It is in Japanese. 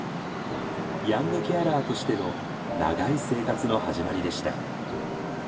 ヤングケアラーとしての長い生活の始まりでした。